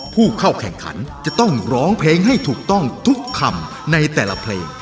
ผู้เข้าแข่งขันจะต้องร้องเพลงให้ถูกต้องทุกคำในแต่ละเพลง